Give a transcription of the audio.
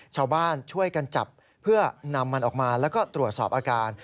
ชาวบ้านช่วยกันจับเพื่อนำมันออกมาแล้วก็ตรวจสอบอาการ